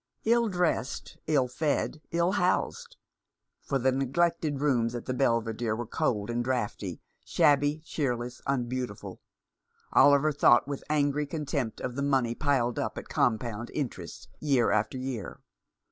Ill dressed, ill fed, ill housed — for the neglected rooms at the Belvidere were cold and draughty, shabby, cheerless, unbeautiful — Oliver thought with angry contempt of the money piled up at com pound interest year after year.